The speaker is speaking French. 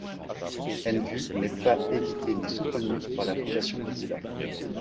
Nvu n'est pas édité ni soutenu par la fondation Mozilla.